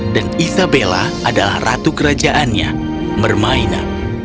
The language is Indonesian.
dan isabella adalah ratu kerajaannya mermaina